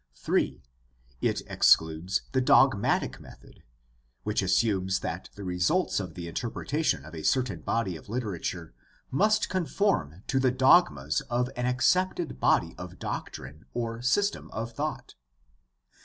(3) It excludes the dogmatic method, which assumes that the results of the interpretation of a certain body of literature must conform to the dogmas of an accepted body of doctrine or system of thought.